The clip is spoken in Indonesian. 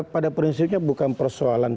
pada prinsipnya bukan persoalan